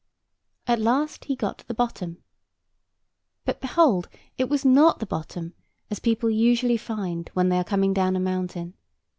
At last he got to the bottom. But, behold, it was not the bottom—as people usually find when they are coming down a mountain.